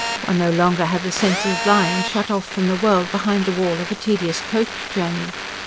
One no longer had the sense of lying shut off from the world, behind the wall of a tedious coach journey.